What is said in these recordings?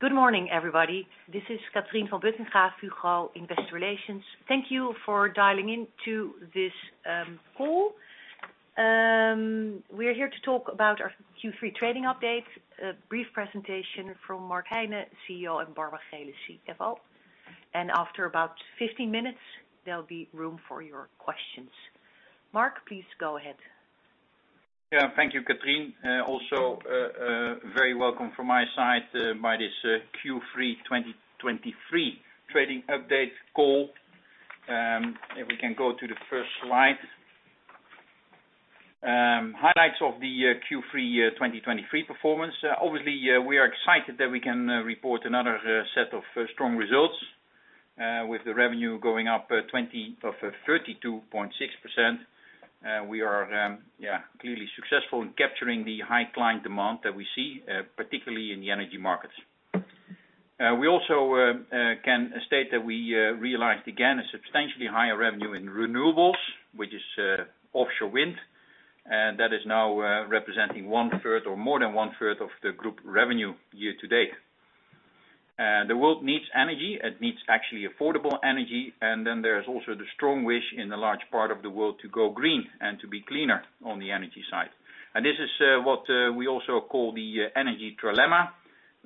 Good morning, everybody. This is Catrien van Buttingha Wichers, Fugro Investor Relations. Thank you for dialing in to this call. We're here to talk about our Q3 trading update, a brief presentation from Mark Heine, CEO, and Barbara Geelen, CFO. After about 15 minutes, there'll be room for your questions. Mark, please go ahead. Yeah, thank you, Catrien. Also, very welcome from my side to this Q3 2023 trading update call. If we can go to the first slide. Highlights of the Q3 2023 performance. Obviously, we are excited that we can report another set of strong results, with the revenue going up 32.6%. We are, yeah, clearly successful in capturing the high client demand that we see, particularly in the energy markets. We also can state that we realized again a substantially higher revenue in renewables, which is offshore wind, and that is now representing one third or more than one third of the group revenue year to date. The world needs energy. It needs actually affordable energy, and then there's also the strong wish in a large part of the world to go green and to be cleaner on the energy side. And this is what we also call the Energy trilemma,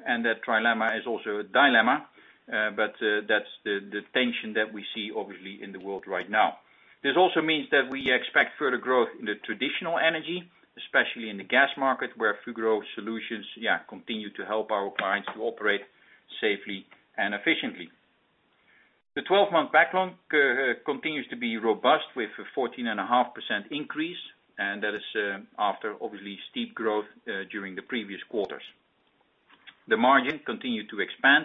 and that trilemma is also a dilemma, but that's the tension that we see obviously in the world right now. This also means that we expect further growth in the traditional energy, especially in the gas market, where Fugro solutions continue to help our clients to operate safely and efficiently. The 12-month backlog continues to be robust with a 14.5% increase, and that is after obviously steep growth during the previous quarters. The margin continued to expand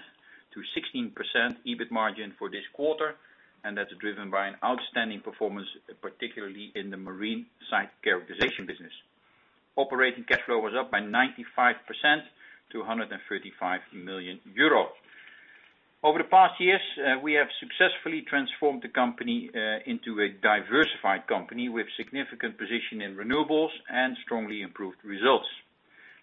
to 16% EBIT margin for this quarter, and that's driven by an outstanding performance, particularly in the Marine Site Characterization business. Operating cash flow was up by 95% to 135 million euro. Over the past years, we have successfully transformed the company into a diversified company with significant position in renewables and strongly improved results.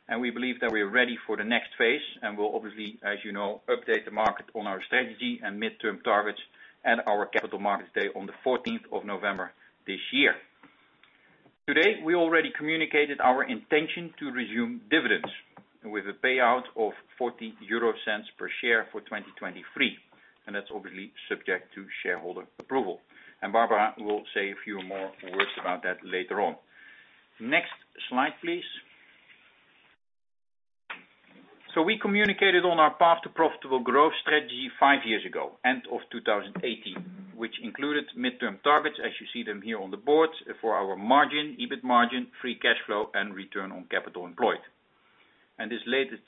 And we believe that we are ready for the next phase, and we'll obviously, as you know, update the market on our strategy and midterm targets at our Capital Markets Day on the fourteenth of November this year. Today, we already communicated our intention to resume dividends with a payout of 0.40 per share for 2023, and that's obviously subject to shareholder approval. And Barbara will say a few more words about that later on. Next slide, please. So we communicated on our Path to Profitable Growth strategy five years ago, end of 2018, which included midterm targets, as you see them here on the board, for our margin, EBIT margin, free cash flow, and return on capital employed. And this latest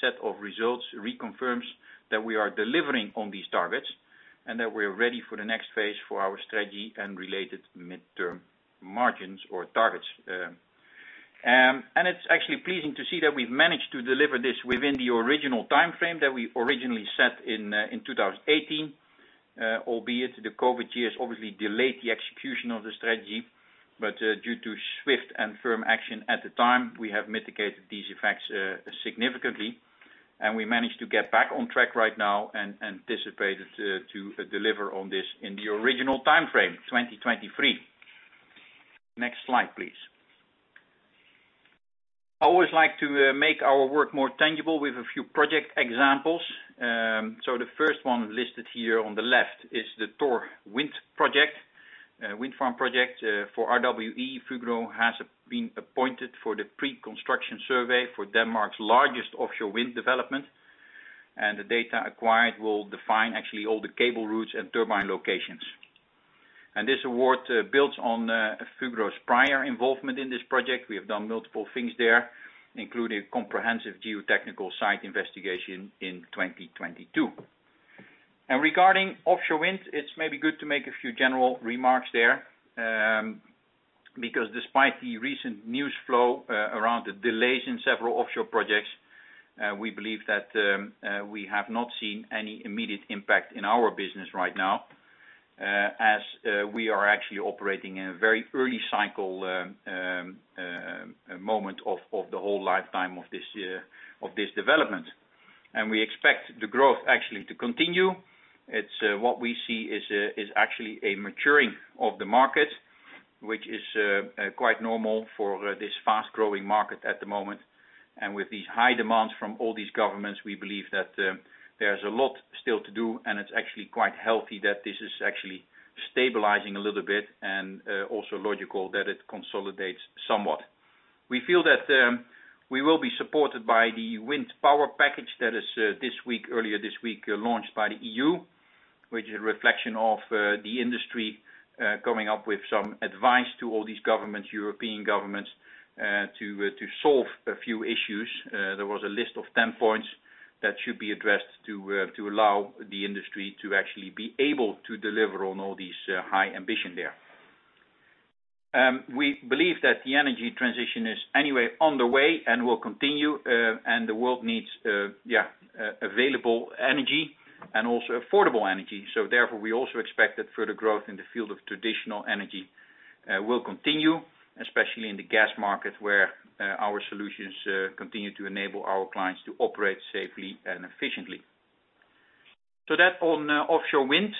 set of results reconfirms that we are delivering on these targets, and that we're ready for the next phase for our strategy and related midterm margins or targets. And it's actually pleasing to see that we've managed to deliver this within the original time frame that we originally set in 2018, albeit the COVID years obviously delayed the execution of the strategy, but due to swift and firm action at the time, we have mitigated these effects significantly, and we managed to get back on track right now and anticipated to deliver on this in the original time frame, 2023. Next slide, please. I always like to make our work more tangible with a few project examples. So the first one listed here on the left is the Thor Wind project, wind farm project, for RWE. Fugro has been appointed for the pre-construction survey for Denmark's largest offshore wind development, and the data acquired will define actually all the cable routes and turbine locations. This award builds on Fugro's prior involvement in this project. We have done multiple things there, including comprehensive geotechnical site investigation in 2022. Regarding offshore wind, it's maybe good to make a few general remarks there, because despite the recent news flow around the delays in several offshore projects, we believe that we have not seen any immediate impact in our business right now, as we are actually operating in a very early cycle, moment of the whole lifetime of this development. We expect the growth actually to continue. It's what we see is actually a maturing of the market, which is quite normal for this fast-growing market at the moment. And with these high demands from all these governments, we believe that there's a lot still to do, and it's actually quite healthy that this is actually stabilizing a little bit and also logical that it consolidates somewhat. We feel that we will be supported by the Wind Power Package that is this week, earlier this week, launched by the EU, which is a reflection of the industry coming up with some advice to all these governments, European governments, to solve a few issues. There was a list of 10 points that should be addressed to allow the industry to actually be able to deliver on all these high ambition there. We believe that the energy transition is anyway on the way and will continue, and the world needs yeah available energy and also affordable energy. So therefore, we also expect that further growth in the field of traditional energy will continue, especially in the gas market, where our solutions continue to enable our clients to operate safely and efficiently. So that on offshore wind,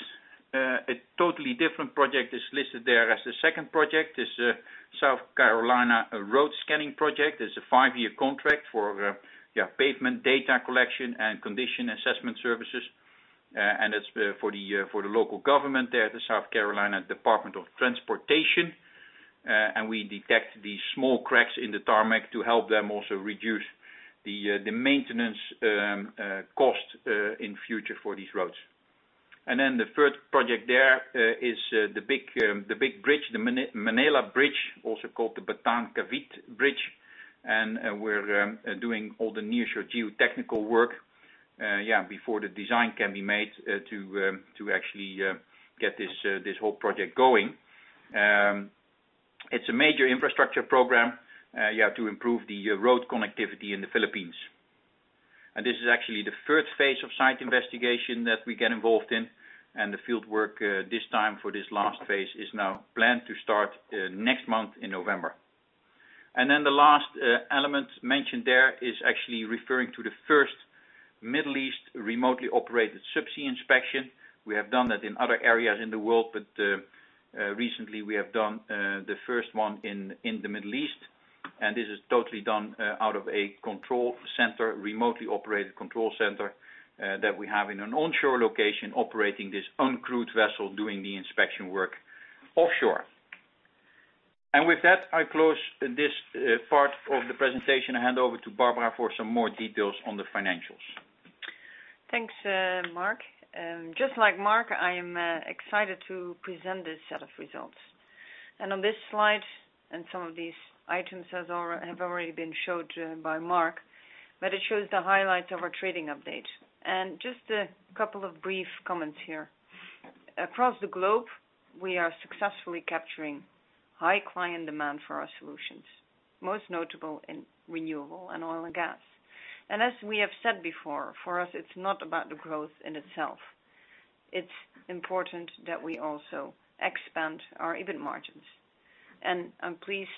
a totally different project is listed there as the second project, is a South Carolina road scanning project. It's a five-year contract for yeah pavement data collection and condition assessment services. It's for the local government there, the South Carolina Department of Transportation, and we detect the small cracks in the tarmac to help them also reduce the maintenance cost in future for these roads. And then the third project there is the big bridge, the Manila Bridge, also called the Bataan-Cavite Bridge. And we're doing all the near shore geotechnical work, yeah, before the design can be made to actually get this whole project going. It's a major infrastructure program, yeah, to improve the road connectivity in the Philippines. This is actually the first phase of site investigation that we get involved in, and the field work, this time for this last phase, is now planned to start next month in November. Then the last element mentioned there is actually referring to the first Middle East remotely operated subsea inspection. We have done that in other areas in the world, but recently we have done the first one in the Middle East, and this is totally done out of a control center, remotely operated control center, that we have in an onshore location, operating this uncrewed vessel, doing the inspection work offshore. With that, I close this part of the presentation and hand over to Barbara for some more details on the financials. Thanks, Mark. Just like Mark, I am excited to present this set of results. On this slide, some of these items have already been shown by Mark, but it shows the highlights of our trading update. Just a couple of brief comments here. Across the globe, we are successfully capturing high client demand for our solutions, most notable in renewable and oil and gas. As we have said before, for us, it's not about the growth in itself. It's important that we also expand our EBIT margins. I'm pleased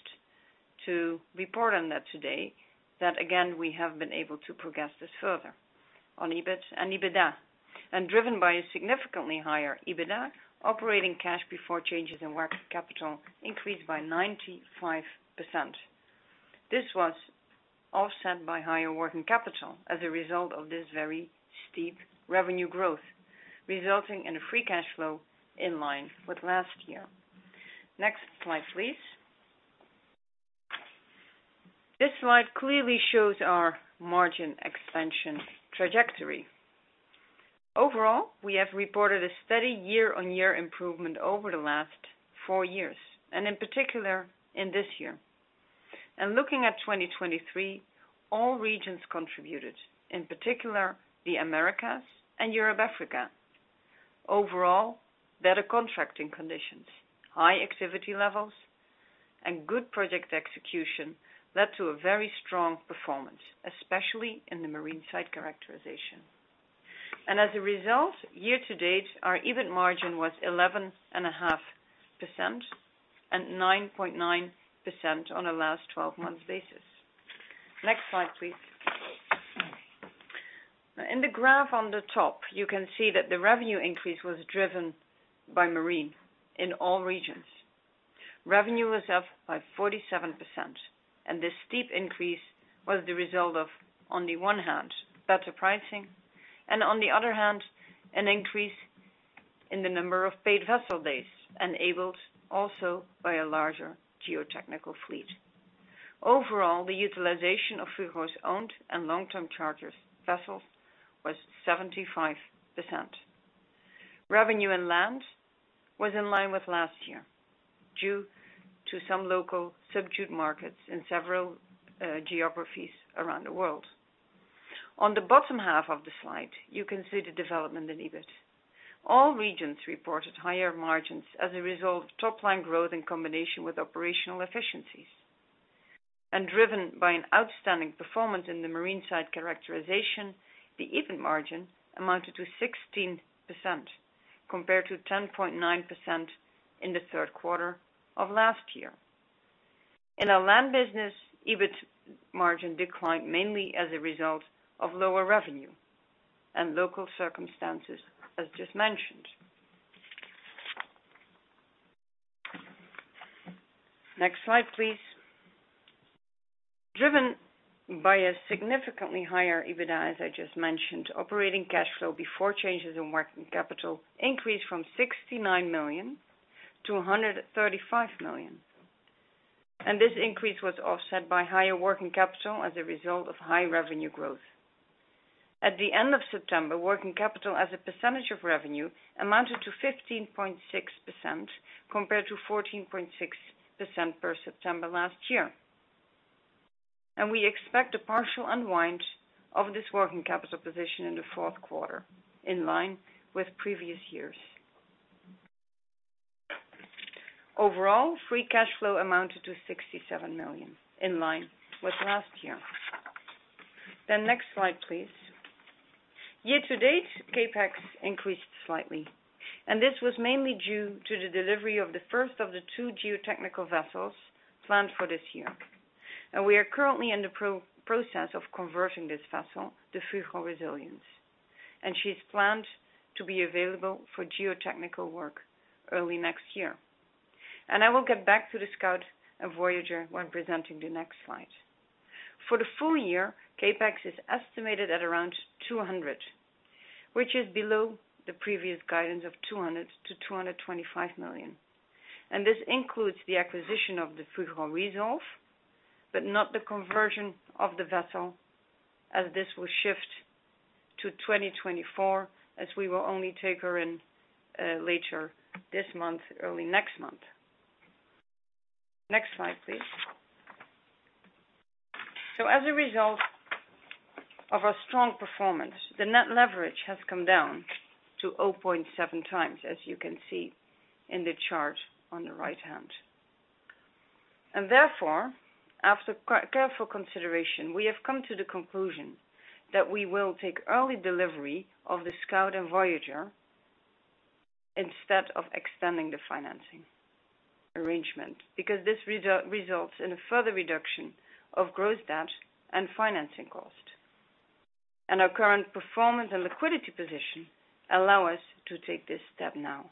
to report on that today, that again, we have been able to progress this further on EBIT and EBITDA. Driven by a significantly higher EBITDA, operating cash before changes in working capital increased by 95%. This was offset by higher working capital as a result of this very steep revenue growth, resulting in a free cash flow in line with last year. Next slide, please. This slide clearly shows our margin expansion trajectory. Overall, we have reported a steady year-on-year improvement over the last four years, and in particular in this year. Looking at 2023, all regions contributed, in particular the Americas and Europe, Africa. Overall, better contracting conditions, high activity levels, and good project execution led to a very strong performance, especially in the Marine Site Characterization. As a result, year to date, our EBIT margin was 11.5% and 9.9% on a last 12-month basis. Next slide, please. In the graph on the top, you can see that the revenue increase was driven by Marine in all regions. Revenue was up by 47%, and this steep increase was the result of, on the one hand, better pricing, and on the other hand, an increase in the number of paid vessel days, enabled also by a larger geotechnical fleet. Overall, the utilization of Fugro's owned and long-term charters vessels was 75%. Revenue in Land was in line with last year due to some local subdued markets in several geographies around the world. On the bottom half of the slide, you can see the development in EBIT. All regions reported higher margins as a result of top line growth in combination with operational efficiencies. Driven by an outstanding performance in the Marine Site Characterization, the EBIT margin amounted to 16%, compared to 10.9% in the Q3 of last year. In our Land business, EBIT margin declined, mainly as a result of lower revenue and local circumstances, as just mentioned. Next slide, please. Driven by a significantly higher EBITDA, as I just mentioned, operating cash flow before changes in working capital increased from 69 million to 135 million, and this increase was offset by higher working capital as a result of high revenue growth. At the end of September, working capital as a percentage of revenue amounted to 15.6%, compared to 14.6% per September last year. We expect a partial unwind of this working capital position in the Q4, in line with previous years. Overall, free cash flow amounted to 67 million, in line with last year. Next slide, please. Year to date, CapEx increased slightly, and this was mainly due to the delivery of the first of the two geotechnical vessels planned for this year. We are currently in the process of converting this vessel, the Fugro Resilience, and she's planned to be available for geotechnical work early next year. I will get back to the Scout and Voyager when presenting the next slide. For the full year, CapEx is estimated at around 200 million, which is below the previous guidance of 200-225 million. This includes the acquisition of the Fugro Resolve, but not the conversion of the vessel, as this will shift to 2024, as we will only take her in later this month, early next month. Next slide, please. So as a result of our strong performance, the net leverage has come down to 0.7 times, as you can see in the chart on the right hand. And therefore, after careful consideration, we have come to the conclusion that we will take early delivery of the Scout and Voyager instead of extending the financing arrangement, because this results in a further reduction of gross debt and financing cost. And our current performance and liquidity position allow us to take this step now,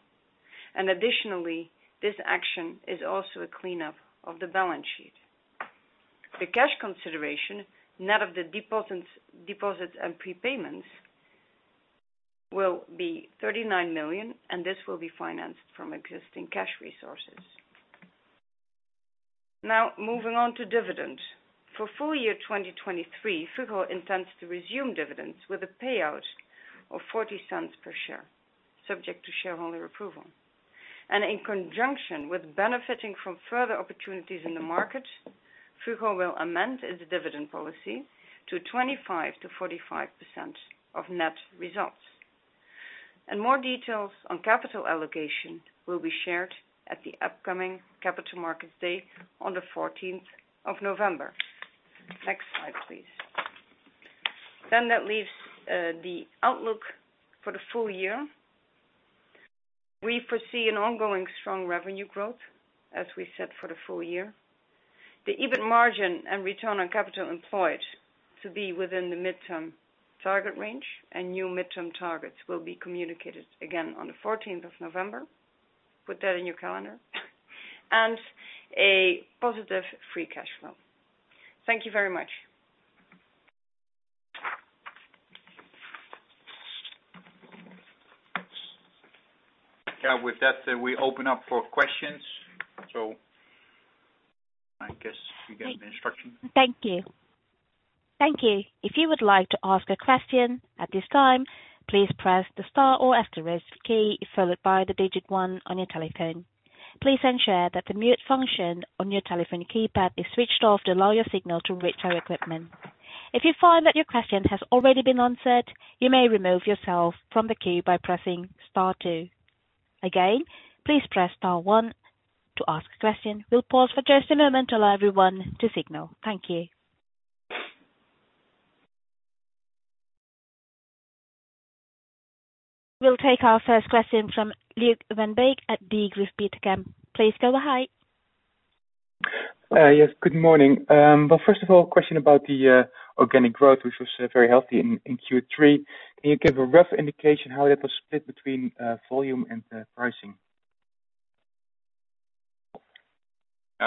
and additionally, this action is also a cleanup of the balance sheet. The cash consideration, net of the deposits and prepayments, will be 39 million, and this will be financed from existing cash resources. Now, moving on to dividend. For full year 2023, Fugro intends to resume dividends with a payout of 0.40 per share, subject to shareholder approval. In conjunction with benefiting from further opportunities in the market, Fugro will amend its dividend policy to 25%-45% of net results. More details on capital allocation will be shared at the upcoming Capital Markets Day on the fourteenth of November. Next slide, please. Then that leaves, the outlook for the full year. We foresee an ongoing strong revenue growth, as we said, for the full year. The EBIT margin and return on capital employed to be within the midterm target range and new midterm targets will be communicated again on the fourteenth of November. Put that in your calendar, and a positive free cash flow. Thank you very much. Yeah, with that, we open up for questions. So I guess you get the instruction. Thank you. Thank you. If you would like to ask a question at this time, please press the star or asterisk key, followed by the digit one on your telephone. Please ensure that the mute function on your telephone keypad is switched off to allow your signal to reach our equipment. If you find that your question has already been answered, you may remove yourself from the queue by pressing star two. Again, please press star one to ask a question. We'll pause for just a moment to allow everyone to signal. Thank you. We'll take our first question from Luuk van Beek at Degroof Petercam. Please go ahead. Yes, good morning. Well, first of all, question about the organic growth, which was very healthy in Q3. Can you give a rough indication how that was split between volume and pricing?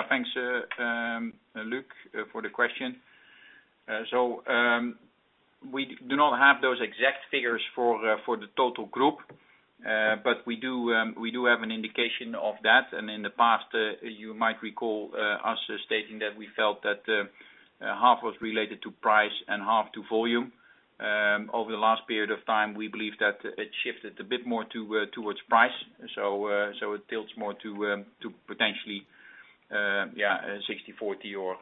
Thanks, Luuk, for the question. So, we do not have those exact figures for the total group. But we do, we do have an indication of that. And in the past, you might recall, us stating that we felt that half was related to price and half to volume. Over the last period of time, we believe that it shifted a bit more to towards price. So, so it tilts more to to potentially, yeah, 60/40 or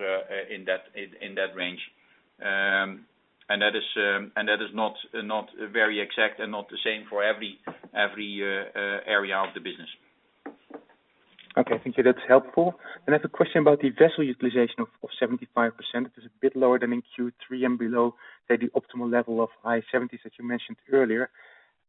in that range. And that is, and that is not very exact, and not the same for every area of the business. Okay, thank you. That's helpful. Then I have a question about the vessel utilization of 75%. It is a bit lower than in Q3 and below the optimal level of high 70s%, as you mentioned earlier.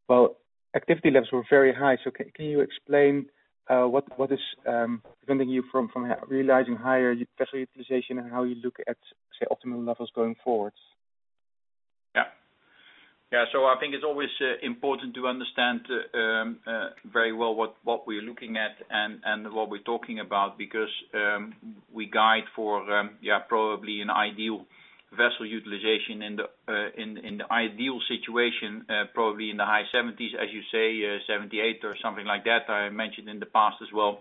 Well, activity levels were very high, so can you explain what is preventing you from realizing higher vessel utilization and how you look at, say, optimum levels going forward? Yeah. Yeah, so I think it's always important to understand very well what what we're looking at and and what we're talking about, because we guide for yeah, probably an ideal vessel utilization in the in the ideal situation, probably in the high 70s, as you say, 78 or something like that. I mentioned in the past as well.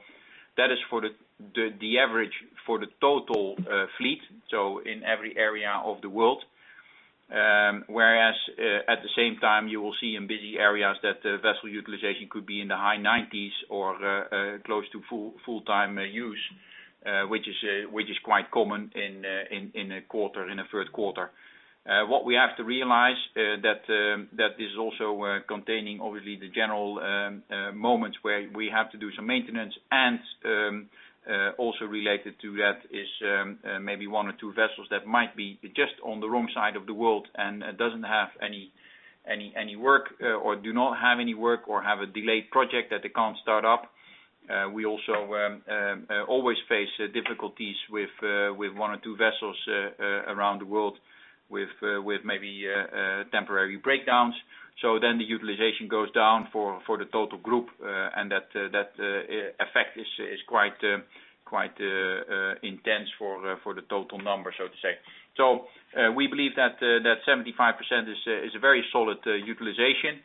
That is for the the the average for the total fleet, so in every area of the world. Whereas at the same time, you will see in busy areas that the vessel utilization could be in the high 90s or close to full full-time use, which is which is quite common in a quarter, in the Q3. What we have to realize, that is also containing obviously the general moments where we have to do some maintenance and also related to that is maybe one or two vessels that might be just on the wrong side of the world, and doesn't have any work or do not have any work, or have a delayed project that they can't start up. We also always face difficulties with one or two vessels around the world with maybe temporary breakdowns. So then the utilization goes down for the total group, and that effect is quite intense for the total number, so to say. So, we believe that the 75% is a very solid utilization.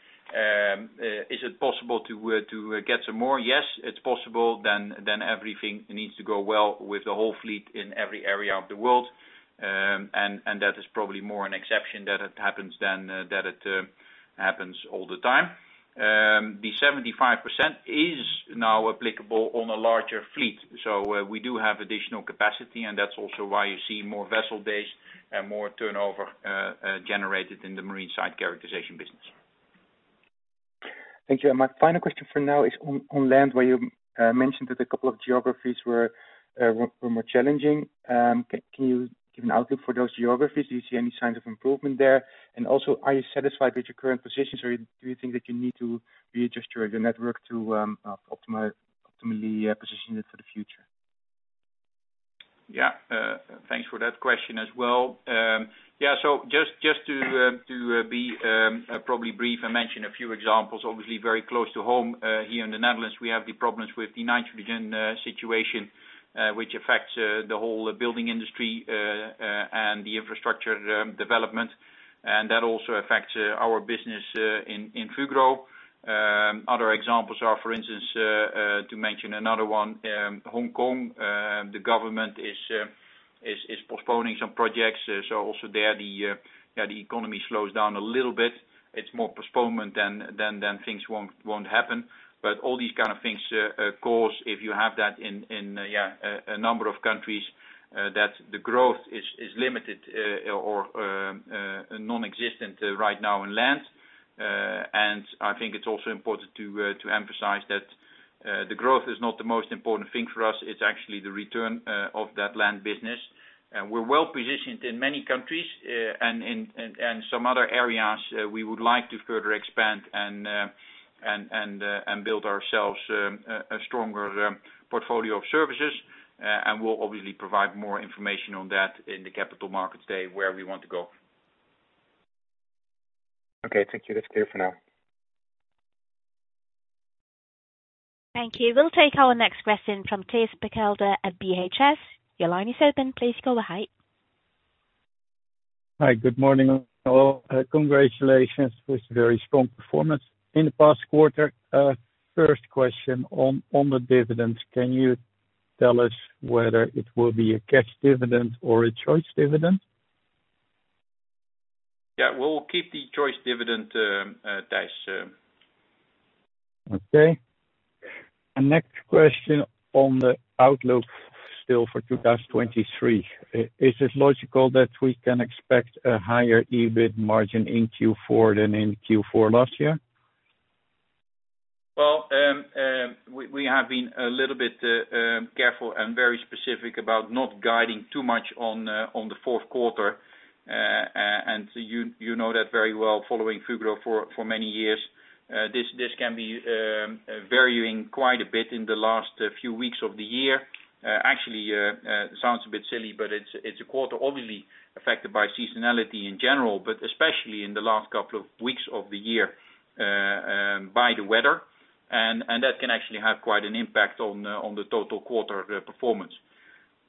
Is it possible to get some more? Yes, it's possible, then everything needs to go well with the whole fleet in every area of the world. And that is probably more an exception that it happens than that it happens all the time. The 75% is now applicable on a larger fleet. So, we do have additional capacity, and that's also why you see more vessel days and more turnover generated in the Marine Site Characterization business. Thank you. My final question for now is on Land, where you mentioned that a couple of geographies were more challenging. Can you give an outlook for those geographies? Do you see any signs of improvement there? And also, are you satisfied with your current positions, or do you think that you need to readjust your network to optimally position it for the future? Yeah. Thanks for that question as well. Yeah, so just to be probably brief, I'll mention a few examples, obviously, very close to home. Here in the Netherlands, we have the problems with the nitrogen situation, which affects the whole building industry and the infrastructure development, and that also affects our business in Fugro. Other examples are, for instance, to mention another one, Hong Kong. The government is postponing some projects, so also there, yeah, the economy slows down a little bit. It's more postponement than things won't happen. But all these kind of things, because if you have that in, in, yeah, a number of countries, that the growth is limited, or nonexistent, right now in land. And I think it's also important to emphasize that, the growth is not the most important thing for us, it's actually the return of that land business. And we're well-positioned in many countries, and in some other areas, we would like to further expand and build ourselves a stronger portfolio of services. And we'll obviously provide more information on that in the Capital Markets Day, where we want to go. Okay, thank you. That's clear for now. Thank you. We'll take our next question from Thijs Berkelder at ODDO BHF. Your line is open. Please go ahead. Hi, good morning. Congratulations with very strong performance in the past quarter. First question on the dividends, can you tell us whether it will be a cash dividend or a choice dividend? Yeah, we'll keep the choice dividend, Thijs. Okay. Next question on the outlook still for 2023. Is it logical that we can expect a higher EBIT margin in Q4 than in Q4 last year? Well, we have been a little bit careful and very specific about not guiding too much on the Q4. And you know that very well, following Fugro for many years. This can be varying quite a bit in the last few weeks of the year. Actually, sounds a bit silly, but it's a quarter obviously affected by seasonality in general, but especially in the last couple of weeks of the year by the weather, and that can actually have quite an impact on the total quarter performance.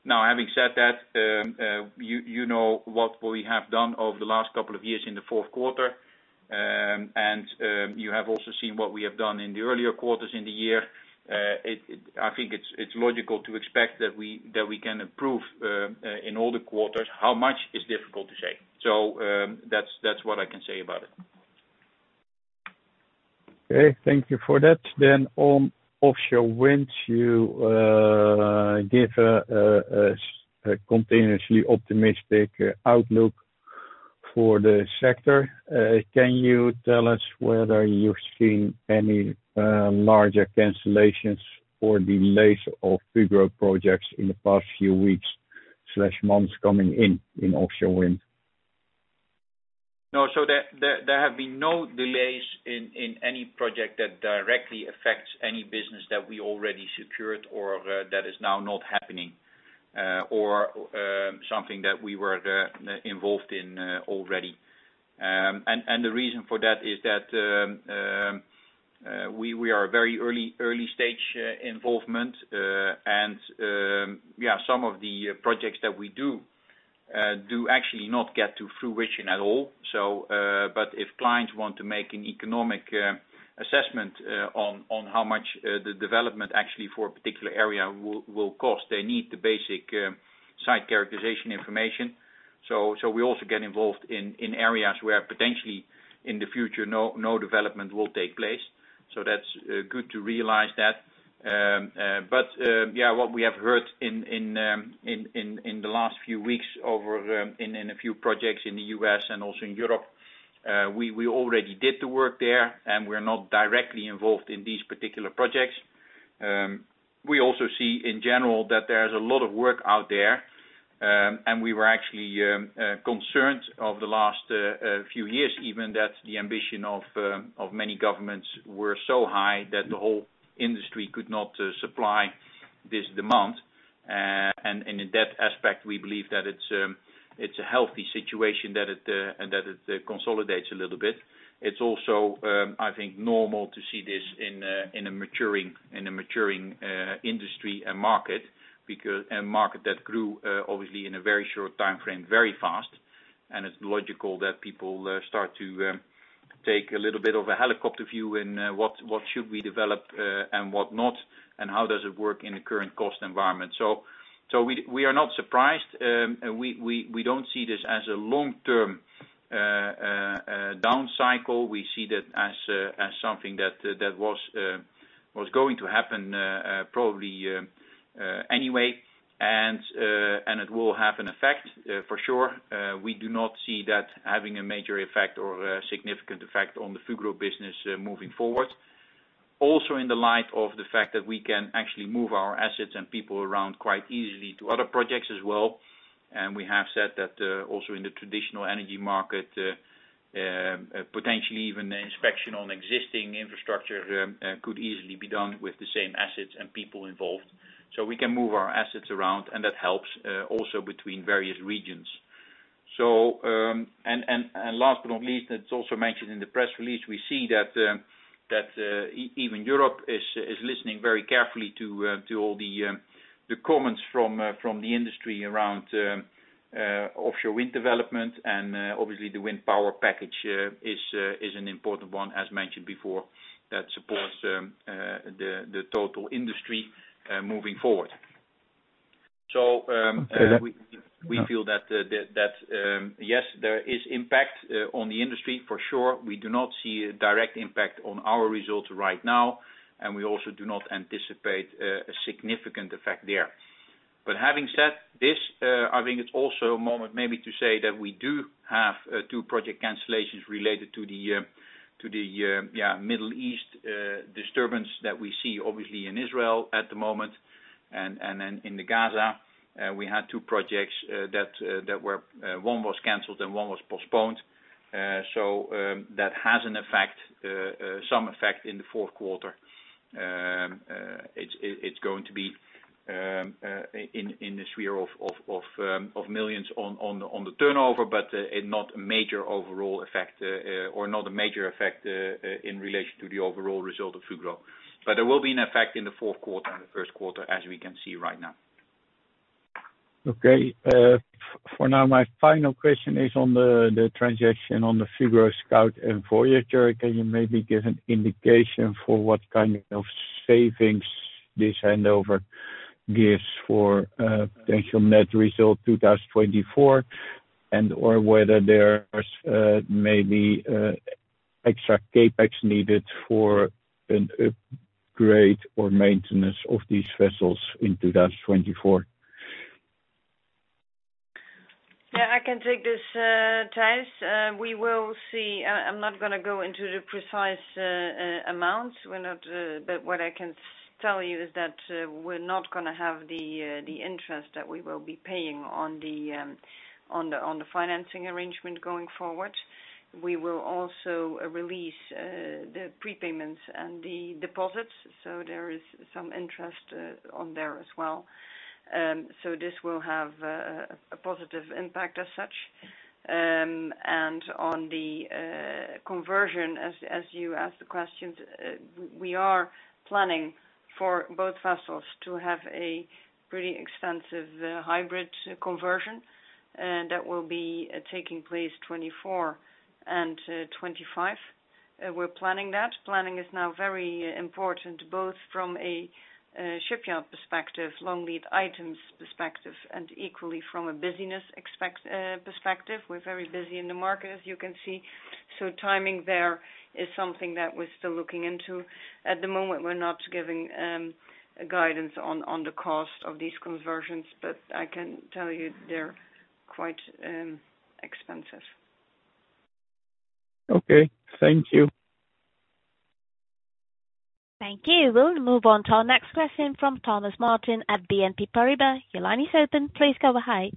Now, having said that, you know what we have done over the last couple of years in the Q4, and you have also seen what we have done in the earlier quarters in the year. I think it's logical to expect that we can improve in all the quarters. How much? It's difficult to say. So, that's what I can say about it. Okay, thank you for that. Then on offshore wind, you give a continuously optimistic outlook for the sector. Can you tell us whether you've seen any larger cancellations or delays of Fugro projects in the past few weeks, slash, months coming in, in offshore wind? No, so there have been no delays in any project that directly affects any business that we already secured or that is now not happening or something that we were involved in already. And the reason for that is that we are very early stage involvement and yeah, some of the projects that we do actually not get to fruition at all. So but if clients want to make an economic assessment on how much the development actually for a particular area will cost, they need the basic site characterization information. So we also get involved in areas where potentially in the future no development will take place. So that's good to realize that. But yeah, what we have heard in the last few weeks over a few projects in the U.S. and also in Europe, we already did the work there, and we're not directly involved in these particular projects. We also see, in general, that there's a lot of work out there, and we were actually concerned of the last few years, even that the ambition of many governments were so high that the whole industry could not supply this demand. And in that aspect, we believe that it's a healthy situation, that it and that it consolidates a little bit. It's also, I think, normal to see this in a maturing industry and market, because... And market that grew obviously in a very short timeframe, very fast, and it's logical that people start to take a little bit of a helicopter view in what should we develop and what not? And how does it work in the current cost environment? So we don't see this as a long-term down cycle. We see that as something that was going to happen probably anyway, and it will have an effect for sure. We do not see that having a major effect or a significant effect on the Fugro business moving forward. Also, in the light of the fact that we can actually move our assets and people around quite easily to other projects as well, and we have said that also in the traditional energy market, potentially even the inspection on existing infrastructure could easily be done with the same assets and people involved. So we can move our assets around, and that helps also between various regions. So, and last but not least, it's also mentioned in the press release, we see that even Europe is listening very carefully to all the comments from the industry around offshore wind development. And obviously, the Wind Power Package is an important one, as mentioned before, that supports the total industry moving forward. So, um- Okay, that- We feel that yes, there is impact on the industry for sure. We do not see a direct impact on our results right now, and we also do not anticipate a significant effect there. But having said this, I think it's also a moment maybe to say that we do have two project cancellations related to the Middle East disturbance that we see obviously in Israel at the moment, and then in Gaza. We had two projects that were one was canceled and one was postponed. So that has some effect in the Q4. It's going to be in the sphere of millions on the turnover, but it not a major overall effect, or not a major effect in relation to the overall result of Fugro. But there will be an effect in the Q4 and the Q1, as we can see right now. Okay. For now, my final question is on the transaction on the Fugro Scout and Voyager. Can you maybe give an indication for what kind of savings this handover gives for potential net result 2024, and/or whether there's maybe extra CapEx needed for an upgrade or maintenance of these vessels in 2024? Yeah, I can take this, Thijs. We will see... I'm not gonna go into the precise amounts. We're not... But what I can tell you is that, we're not gonna have the interest that we will be paying on the financing arrangement going forward. We will also release the prepayments and the deposits, so there is some interest on there as well. So this will have a positive impact as such. And on the conversion, as you asked the question, we are planning for both vessels to have a pretty extensive hybrid conversion that will be taking place 2024 and 2025. We're planning that. Planning is now very important, both from a shipyard perspective, long-lead items perspective, and equally from a business expectation perspective. We're very busy in the market, as you can see, so timing there is something that we're still looking into. At the moment, we're not giving guidance on the cost of these conversions, but I can tell you they're quite expensive. Okay, thank you. Thank you. We'll move on to our next question from Thomas Martin at BNP Paribas. Your line is open. Please go ahead.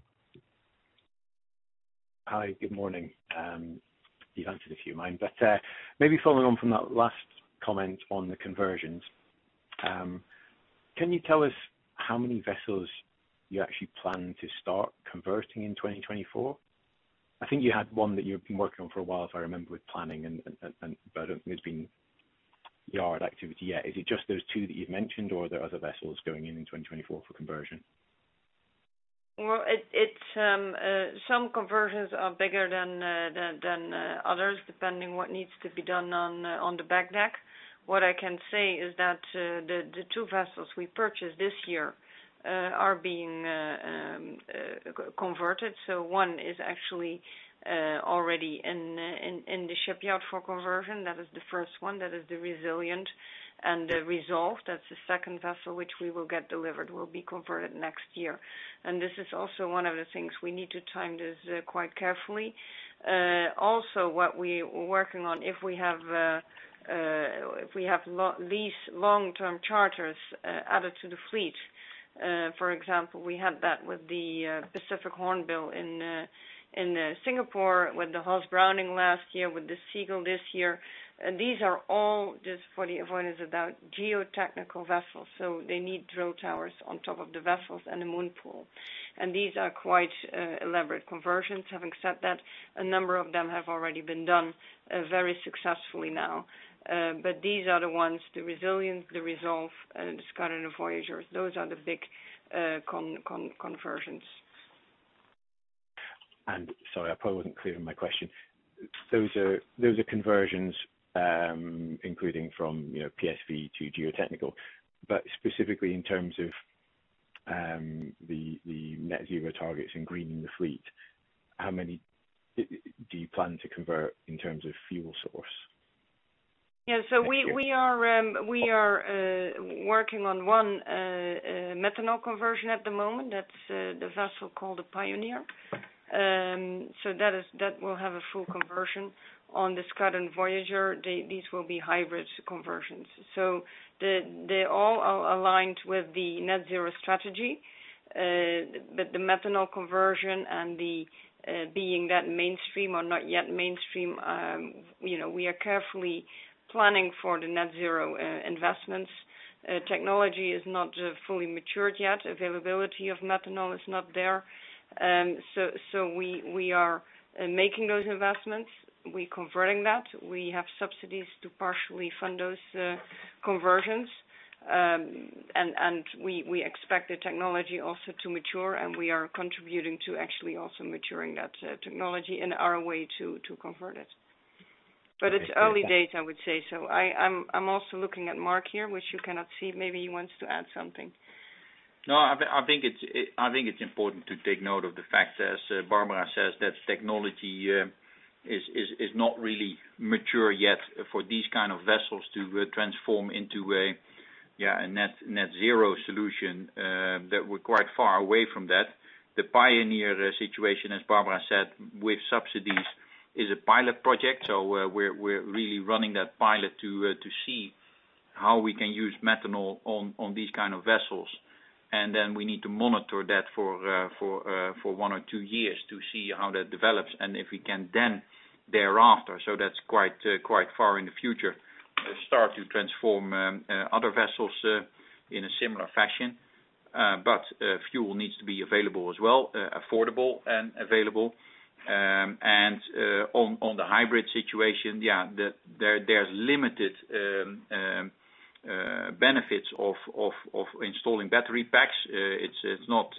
Hi, good morning. You've answered a few of mine, but maybe following on from that last comment on the conversions, can you tell us how many vessels you actually plan to start converting in 2024? I think you had one that you've been working on for a while, if I remember, with planning, but there's been yard activity yet. Is it just those two that you've mentioned, or are there other vessels going in in 2024 for conversion? Well, it's some conversions are bigger than others, depending what needs to be done on the back deck. What I can say is that the two vessels we purchased this year are being converted. So one is actually already in the shipyard for conversion. That is the first one. That is the Resilience and the Resolve, that's the second vessel, which we will get delivered, will be converted next year. And this is also one of the things we need to time this quite carefully. Also, what we are working on, if we have these long-term charters added to the fleet, for example, we had that with the Pacific Hornbill in Singapore, with the HOS Browning last year, with the Seagull this year. These are all just for the avoidance about geotechnical vessels, so they need drill towers on top of the vessels and a moon pool. And these are quite elaborate conversions. Having said that, a number of them have already been done very successfully now. But these are the ones, the Resilience, the Resolve, the Scout, and the Voyager. Those are the big conversions. Sorry, I probably wasn't clear in my question. Those are, those are conversions, including from, you know, PSV to geotechnical. But specifically, in terms of the net zero targets in greening the fleet, how many do you plan to convert in terms of fuel source? We are working on one methanol conversion at the moment. That's the vessel called the Pioneer. So that is. That will have a full conversion. On the Scout and Voyager, these will be hybrid conversions. So they all are aligned with the net zero strategy, but the methanol conversion and the being that mainstream or not yet mainstream, you know, we are carefully planning for the net zero investments. Technology is not fully matured yet. Availability of methanol is not there. So we are making those investments. We're converting that. We have subsidies to partially fund those conversions. And we expect the technology also to mature, and we are contributing to actually also maturing that technology in our way to convert it. Okay, thank you. But it's early days, I would say. So I'm also looking at Mark here, which you cannot see. Maybe he wants to add something. No, I think it's important to take note of the fact that, as Barbara says, that technology is not really mature yet for these kind of vessels to transform into a net zero solution. That we're quite far away from that. The Pioneer situation, as Barbara said, with subsidies, is a pilot project, so we're really running that pilot to see how we can use methanol on these kind of vessels. And then we need to monitor that for one or two years to see how that develops and if we can then thereafter start to transform other vessels in a similar fashion. So that's quite far in the future. But fuel needs to be available as well, affordable and available. And on the hybrid situation, yeah, there’s limited benefits of installing battery packs. It’s not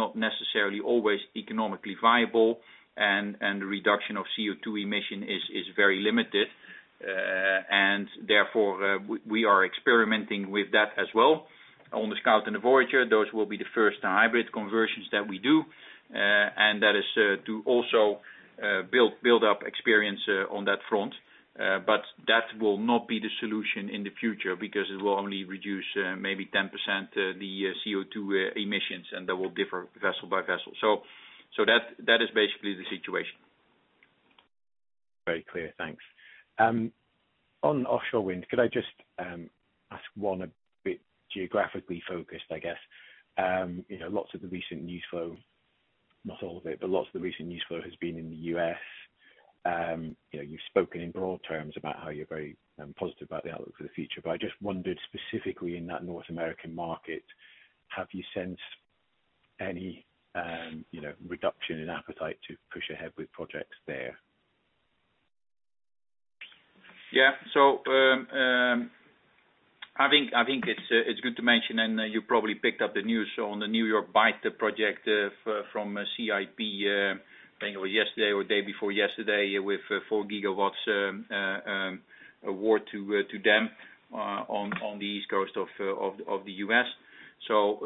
not necessarily always economically viable, and the reduction of CO2 emission is very limited. And therefore, we are experimenting with that as well. On the Scout and the Voyager, those will be the first hybrid conversions that we do. And that is to also build up experience on that front. But that will not be the solution in the future because it will only reduce maybe 10% the CO2 emissions, and that will differ vessel by vessel. So that is basically the situation. Very clear, thanks. On offshore wind, could I just ask one, a bit geographically focused, I guess? You know, lots of the recent news flow, not all of it, but lots of the recent news flow has been in the U.S. You know, you've spoken in broad terms about how you're very positive about the outlook for the future, but I just wondered, specifically in that North American market, have you sensed any, you know, reduction in appetite to push ahead with projects there? Yeah. So, I think it's good to mention, and you probably picked up the news on the New York Bight project from CIP. I think it was yesterday or day before yesterday, with 4 GW award to them on the east coast of the U.S. So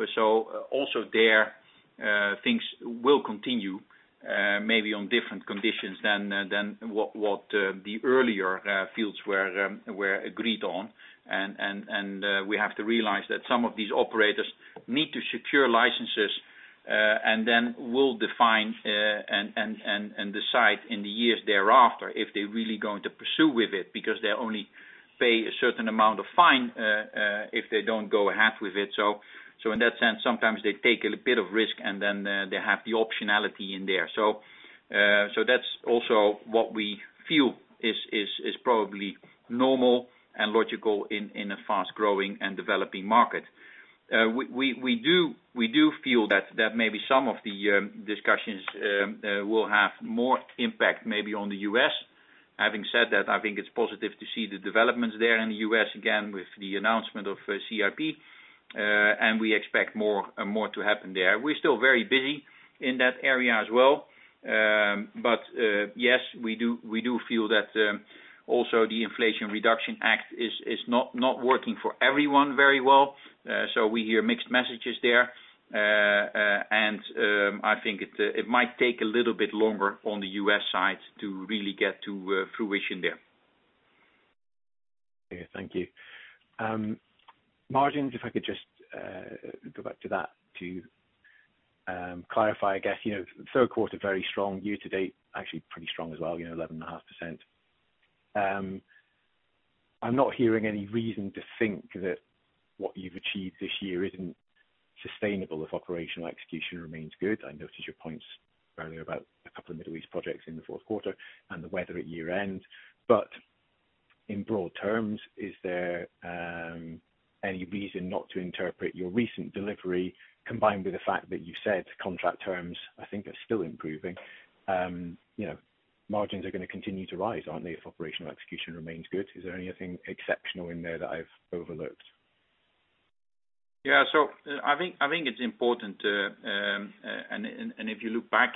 also there, things will continue, maybe on different conditions than what the earlier fields were agreed on. We have to realize that some of these operators need to secure licenses, and then we'll define and decide in the years thereafter if they're really going to pursue with it, because they only pay a certain amount of fee if they don't go ahead with it. In that sense, sometimes they take a little bit of risk, and then they have the optionality in there. So that's also what we feel is probably normal and logical in a fast-growing and developing market. We do feel that maybe some of the discussions will have more impact maybe on the U.S. Having said that, I think it's positive to see the developments there in the U.S., again, with the announcement of CIP, and we expect more, more to happen there. We're still very busy in that area as well. But, yes, we do, we do feel that also the Inflation Reduction Act is, is not, not working for everyone very well. So we hear mixed messages there. And, I think it, it might take a little bit longer on the U.S. side to really get to fruition there. Okay, thank you. Margins, if I could just go back to that to clarify, I guess, you know, Q3, very strong. Year to date, actually pretty strong as well, you know, 11.5%. I'm not hearing any reason to think that what you've achieved this year isn't sustainable, if operational execution remains good. I noticed your points earlier about a couple of Middle East projects in the Q4 and the weather at year-end. But in broad terms, is there any reason not to interpret your recent delivery, combined with the fact that you said contract terms, I think, are still improving? You know, margins are gonna continue to rise, aren't they, if operational execution remains good? Is there anything exceptional in there that I've overlooked? Yeah, so I think it's important to, and if you look back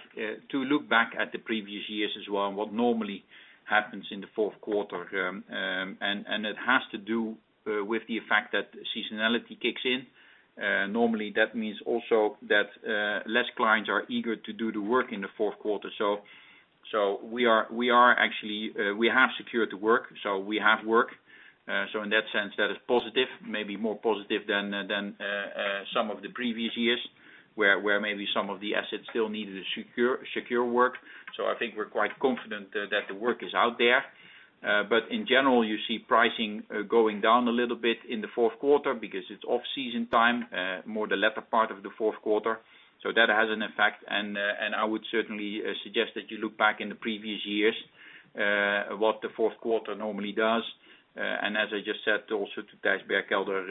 to look back at the previous years as well, and what normally happens in the Q4, and it has to do with the fact that seasonality kicks in. Normally, that means also that less clients are eager to do the work in the Q4. So we are actually we have secured the work, so we have work. So in that sense, that is positive, maybe more positive than some of the previous years, where maybe some of the assets still needed to secure work. So I think we're quite confident that the work is out there. But in general, you see pricing going down a little bit in the Q4 because it's off-season time, more the latter part of the Q4. So that has an effect, and I would certainly suggest that you look back in the previous years what the Q4 normally does. And as I just said, also to Thijs Berkelder,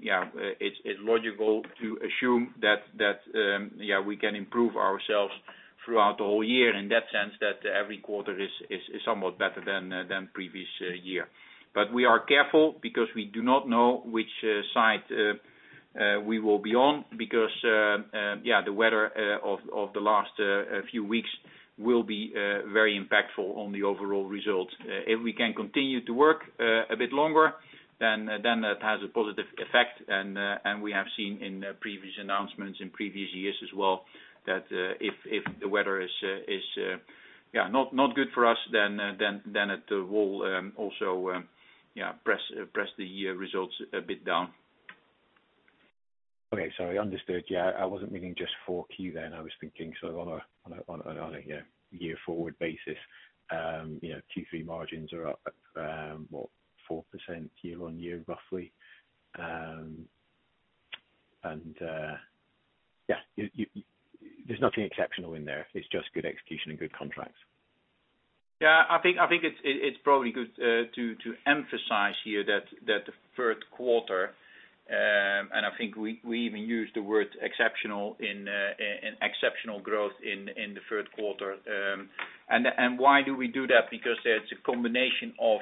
yeah, it's logical to assume that we can improve ourselves throughout the whole year. In that sense, that every quarter is somewhat better than previous year. But we are careful because we do not know which side we will be on, because yeah, the weather of the last few weeks will be very impactful on the overall results. If we can continue to work a bit longer, then that has a positive effect. And we have seen in the previous announcements in previous years as well, that if the weather is not good for us, then it will also press the year results a bit down. Okay, so I understood. Yeah, I wasn't meaning just Q4 then, I was thinking, so on a year-forward basis. You know, Q3 margins are up, what, 4% year-on-year, roughly. And, yeah, there's nothing exceptional in there. It's just good execution and good contracts. Yeah, I think it's probably good to emphasize here that the Q3, and I think we even used the word exceptional in exceptional growth in the Q3. And why do we do that? Because there's a combination of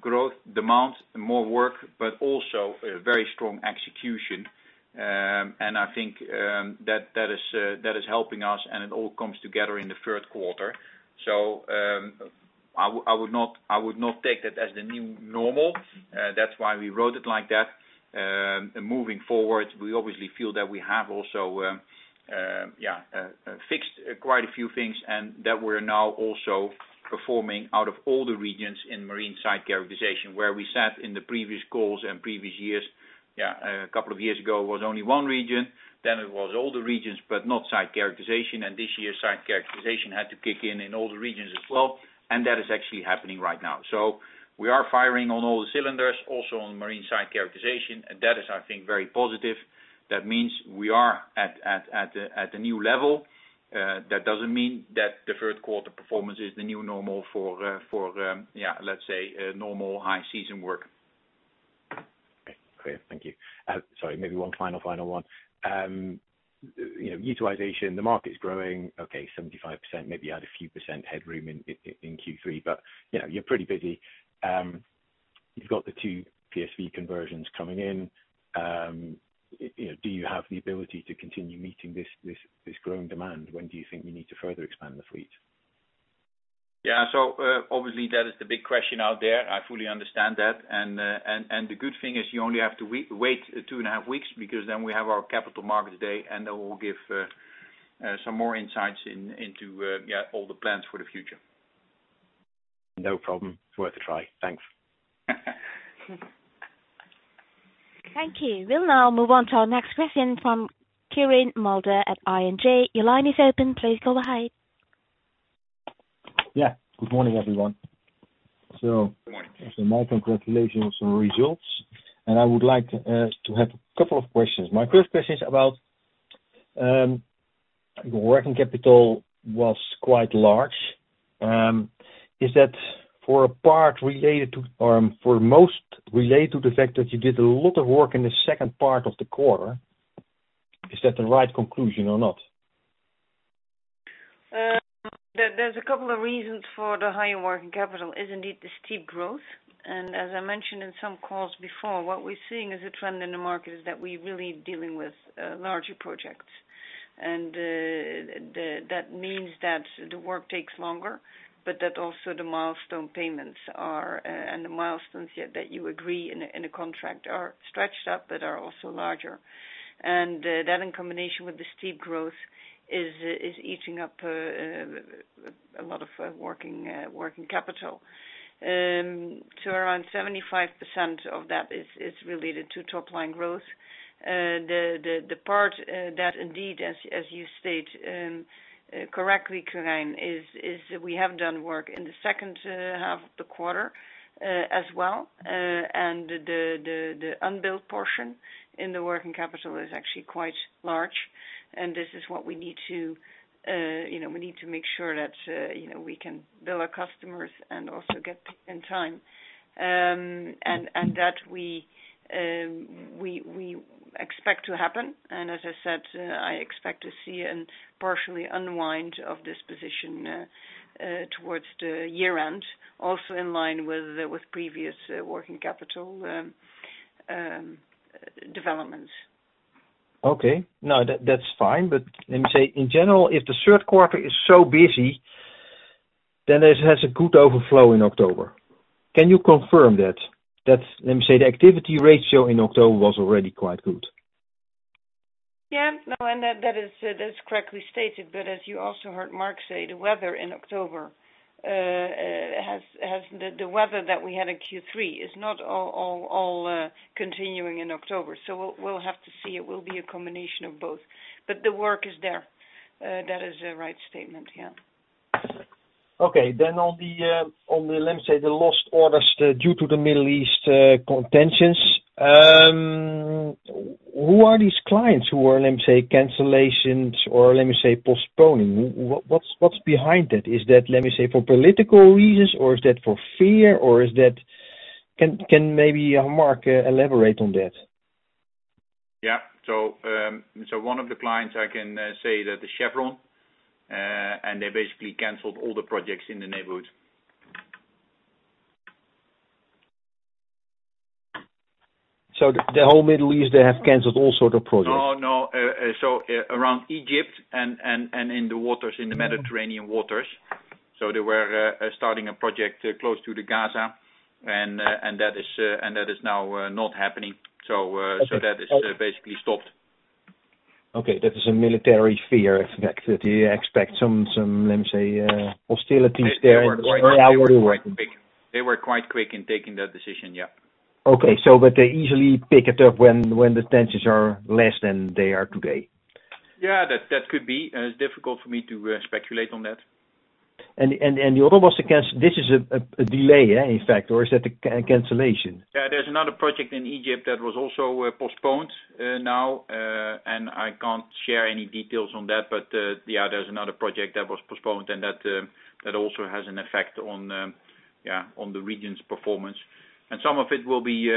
growth, demand, and more work, but also a very strong execution. And I think that is helping us, and it all comes together in the Q3. So, I would not take that as the new normal. That's why we wrote it like that. Moving forward, we obviously feel that we have also fixed quite a few things, and that we're now also performing out of all the regions in Marine Site Characterization. Where we sat in the previous calls and previous years, yeah, a couple of years ago, it was only one region, then it was all the regions, but not site characterization. This year, site characterization had to kick in in all the regions as well, and that is actually happening right now. So we are firing on all the cylinders, also on Marine Site Characterization, and that is, I think, very positive. That means we are at a new level. That doesn't mean that the Q3 performance is the new normal for, yeah, let's say, a normal high-season work. Okay. Great, thank you. Sorry, maybe one final, final one. You know, utilization, the market's growing. Okay, 75%, maybe add a few percent headroom in Q3, but you know, you're pretty busy. You've got the two PSV conversions coming in. You know, do you have the ability to continue meeting this growing demand? When do you think you need to further expand the fleet? Yeah, so, obviously, that is the big question out there. I fully understand that, and the good thing is you only have to wait 2.5 weeks, because then we have our Capital Markets Day, and then we'll give some more insights into, yeah, all the plans for the future. No problem. Worth a try. Thanks. Thank you. We'll now move on to our next question from Quirijn Mulder at ING. Your line is open. Please go ahead. Yeah, good morning, everyone. My congratulations on the results, and I would like to have a couple of questions. My first question is about working capital was quite large. Is that for a part related to, or for most related to the fact that you did a lot of work in the second part of the quarter? Is that the right conclusion or not? There, there's a couple of reasons for the higher working capital, is indeed the steep growth. And as I mentioned in some calls before, what we're seeing as a trend in the market is that we're really dealing with larger projects. And that means that the work takes longer, but that also the milestone payments are and the milestones that you agree in a contract are stretched out, but are also larger. And that in combination with the steep growth is eating up a lot of working capital. So around 75% of that is related to top line growth. The part that indeed, as you state correctly, Quirijn, is we have done work in the second half of the quarter as well. And the unbilled portion in the working capital is actually quite large, and this is what we need to, you know, we need to make sure that, you know, we can bill our customers and also get paid in time. And that we expect to happen. And as I said, I expect to see and partially unwind of this position, towards the year end, also in line with previous working capital developments. Okay. No, that, that's fine. But let me say, in general, if the Q3 is so busy, then it has a good overflow in October. Can you confirm that? That, let me say, the activity ratio in October was already quite good. Yeah. No, and that is, that's correctly stated, but as you also heard Mark say, the weather in October has the weather that we had in Q3 is not all continuing in October. So we'll have to see. It will be a combination of both. But the work is there. That is the right statement, yeah. Okay. Then on the, let me say, the lost orders due to the Middle East contentions, who are these clients who are, let me say, cancellations or let me say, postponing? What's behind that? Is that, let me say, for political reasons, or is that for fear, or is that... Can maybe Mark elaborate on that? Yeah. So, one of the clients, I can say that the Chevron, and they basically canceled all the projects in the neighborhood. So the whole Middle East, they have canceled all sort of projects? Oh, no. So around Egypt and in the waters, in the Mediterranean waters. So they were starting a project close to the Gaza, and that is now not happening. So- Okay. That is basically stopped. Okay, that is a military fear effect. Do you expect some, let me say, hostilities there? They were quite quick. They were quite quick in taking that decision, yeah. Okay, so but they easily pick it up when the tensions are less than they are today? Yeah, that, that could be. It's difficult for me to speculate on that. The other was against. This is a delay, yeah, in fact, or is that a cancellation? Yeah, there's another project in Egypt that was also postponed now, and I can't share any details on that. But yeah, there's another project that was postponed, and that that also has an effect on yeah, on the region's performance. And some of it will be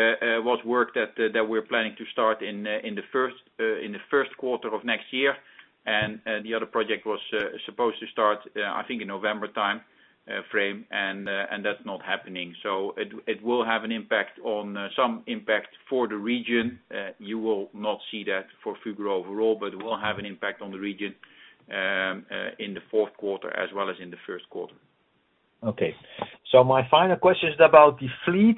was work that that we're planning to start in in the first in the Q1 of next year. And the other project was supposed to start I think in November time frame, and and that's not happening. So it it will have an impact on some impact for the region. You will not see that for Fugro overall, but it will have an impact on the region in the Q4 as well as in the Q1. Okay. So my final question is about the fleet.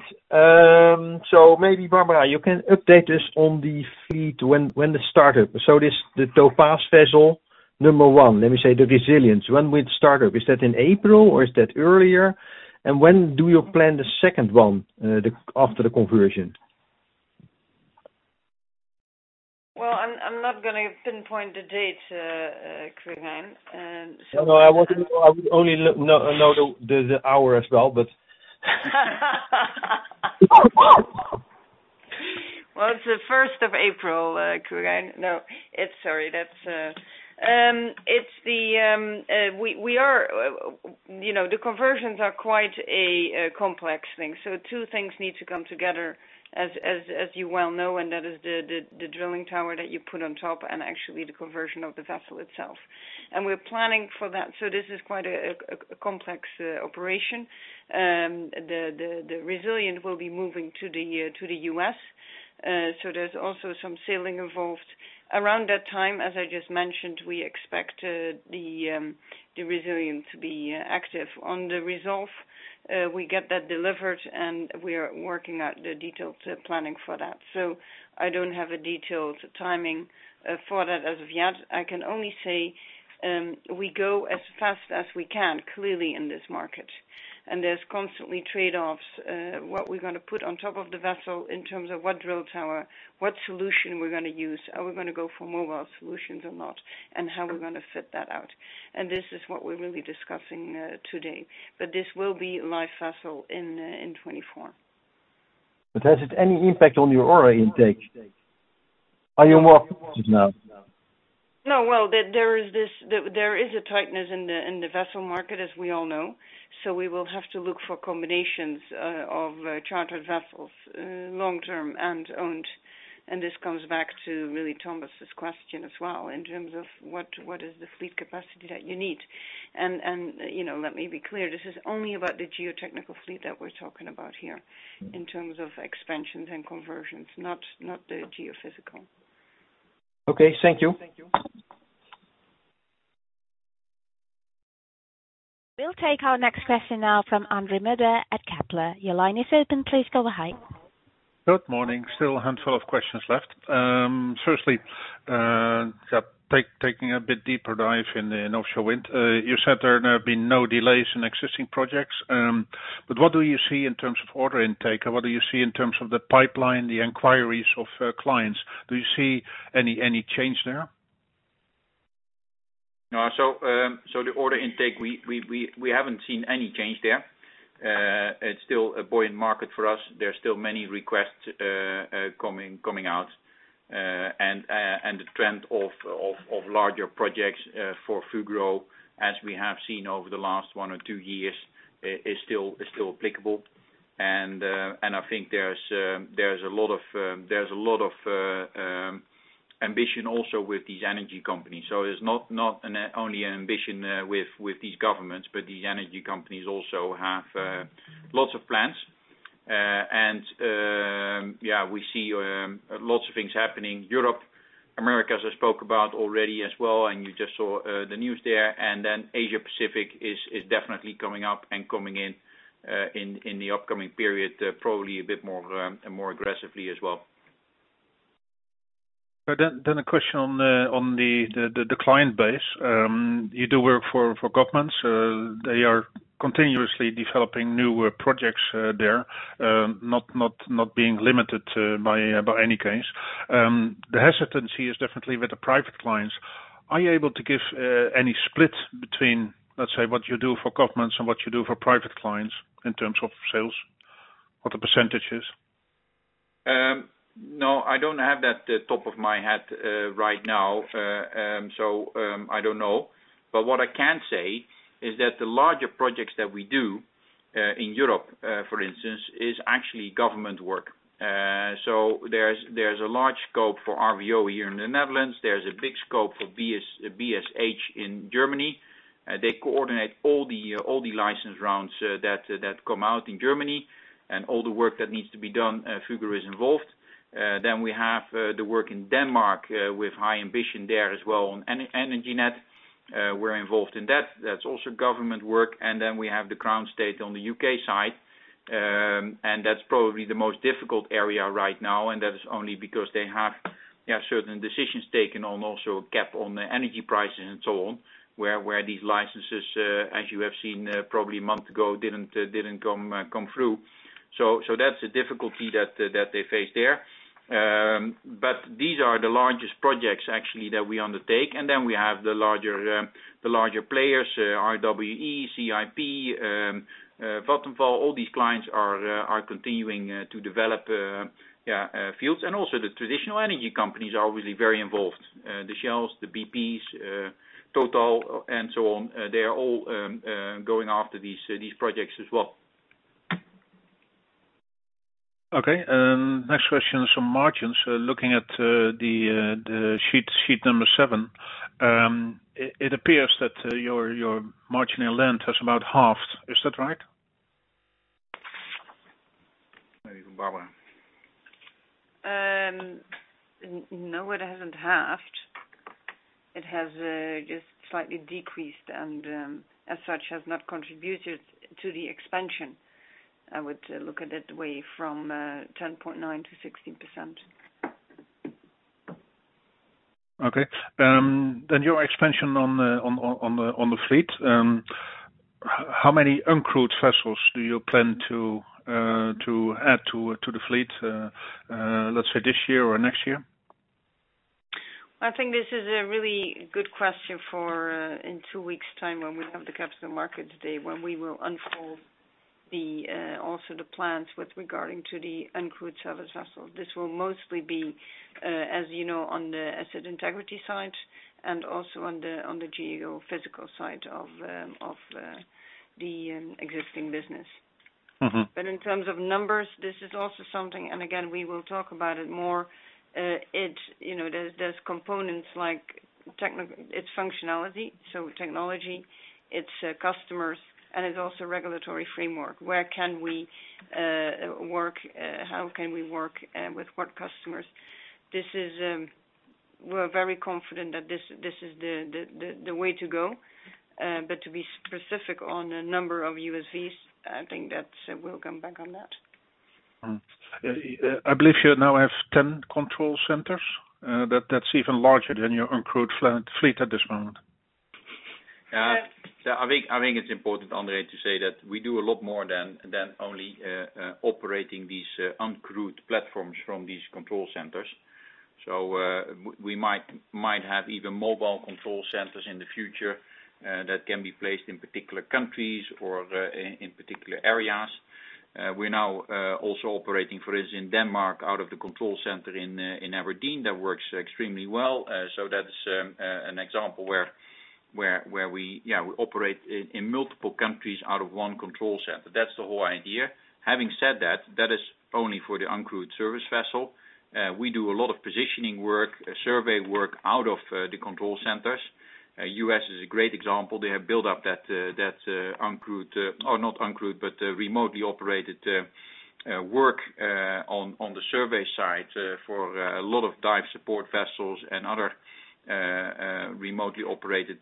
So maybe, Barbara, you can update us on the fleet, when, when the startup? So this, the Topaz Vessel, number one, let me say, the Resilience, when will it start up? Is that in April, or is that earlier? And when do you plan the second one, the, after the conversion? Well, I'm not gonna pinpoint the date, Quirijn, and- No, I wasn't. I would only know the hour as well, but Well, it's the first of April, Quirijn. No, it's Sorry, that's, it's the, we are, you know, the conversions are quite a complex thing. So two things need to come together, as you well know, and that is the drilling tower that you put on top and actually the conversion of the vessel itself. And we're planning for that. So this is quite a complex operation. The Resilience will be moving to the U.S., so there's also some sailing involved. Around that time, as I just mentioned, we expect the Resilience to be active. On the Resolve, we get that delivered, and we are working out the detailed planning for that. So I don't have a detailed timing for that as of yet. I can only say, we go as fast as we can, clearly in this market, and there's constantly trade-offs, what we're gonna put on top of the vessel in terms of what drill tower, what solution we're gonna use. Are we gonna go for mobile solutions or not, and how we're gonna fit that out? And this is what we're really discussing, today. But this will be live vessel in 2024. But has it any impact on your order intake? Are you more positive now? No, well, there is a tightness in the vessel market, as we all know, so we will have to look for combinations of chartered vessels, long-term and owned. And this comes back to really Thomas' question as well, in terms of what is the fleet capacity that you need? And, you know, let me be clear, this is only about the geotechnical fleet that we're talking about here, in terms of expansions and conversions, not the geophysical. Okay, thank you. We'll take our next question now from André Mulder at Kepler Cheuvreux. Your line is open, please go ahead. Good morning. Still a handful of questions left. Firstly, taking a bit deeper dive in the offshore wind. You said there have been no delays in existing projects, but what do you see in terms of order intake, and what do you see in terms of the pipeline, the inquiries of clients? Do you see any change there? No. So, the order intake, we haven't seen any change there. It's still a buoyant market for us. There are still many requests coming out, and the trend of larger projects for Fugro, as we have seen over the last one or two years, is still applicable. And I think there's a lot of ambition also with these energy companies. So it's not only an ambition with these governments, but these energy companies also have lots of plans. And yeah, we see lots of things happening. Europe, Americas, I spoke about already as well, and you just saw the news there, and then Asia Pacific is definitely coming up and coming in, in the upcoming period, probably a bit more and more aggressively as well. A question on the client base. You do work for governments. They are continuously developing new projects, not being limited by any case. The hesitancy is definitely with the private clients. Are you able to give any split between, let's say, what you do for governments and what you do for private clients in terms of sales, or the percentages? No, I don't have that at the top of my head right now. I don't know. But what I can say is that the larger projects that we do in Europe, for instance, is actually government work. So there's a large scope for RVO here in the Netherlands. There's a big scope for BSH in Germany. They coordinate all the license rounds that come out in Germany, and all the work that needs to be done, Fugro is involved. Then we have the work in Denmark with high ambition there as well on Energinet. We're involved in that. That's also government work. And then we have the Crown Estate on the UK side, and that's probably the most difficult area right now, and that is only because they have certain decisions taken on also a cap on the energy prices and so on, where these licenses, as you have seen, probably a month ago, didn't come through. So that's the difficulty that they face there. But these are the largest projects actually that we undertake, and then we have the larger players, RWE, CIP, Vattenfall, all these clients are continuing to develop fields. And also, the traditional energy companies are really very involved. The Shells, the BPs, Total, and so on, they are all going after these, these projects as well. Okay, next question is on margins. Looking at the sheet number seven, it appears that your margin in Land has about halved. Is that right? Maybe Barbara. No, it hasn't halved. It has just slightly decreased and, as such, has not contributed to the expansion. I would look at it that way, from 10.9% to 16%. Okay. Then your expansion on the fleet, how many uncrewed vessels do you plan to add to the fleet, let's say this year or next year? I think this is a really good question for in two weeks' time, when we have the Capital Markets Day, when we will unfold also the plans with regard to the uncrewed surface vessels. This will mostly be, as you know, on the Asset Integrity side and also on the geophysical side of the existing business. Mm-hmm. But in terms of numbers, this is also something, and again, we will talk about it more, you know, there's components like its functionality, so technology, its customers, and it's also regulatory framework. Where can we work? How can we work with what customers? This is, we're very confident that this is the way to go, but to be specific on the number of USVs, I think that's, we'll come back on that. I believe you now have 10 control centers, that's even larger than your uncrewed fleet at this moment. Yes. So I think, I think it's important, André, to say that we do a lot more than, than only operating these uncrewed platforms from these control centers. So we might, might have even mobile control centers in the future that can be placed in particular countries or in particular areas. We're now also operating, for instance, in Denmark, out of the control center in Aberdeen, that works extremely well. So that's an example where we, yeah, we operate in multiple countries out of one control center. That's the whole idea. Having said that, that is only for the uncrewed service vessel. We do a lot of positioning work, survey work out of the control centers. U.S. is a great example. They have built up that uncrewed, or not uncrewed, but remotely operated work on the survey side for a lot of dive support vessels and other remotely operated